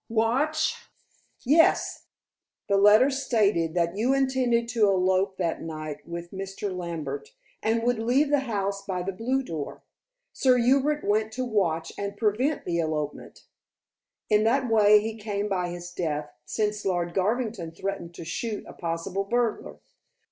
"Watch?" "Yes! The letter stated that you intended to elope that night with Mr. Lambert, and would leave the house by the blue door. Sir Hubert went to watch and prevent the elopement. In that way he came by his death, since Lord Garvington threatened to shoot a possible burglar.